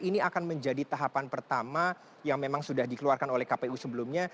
ini akan menjadi tahapan pertama yang memang sudah dikeluarkan oleh kpu sebelumnya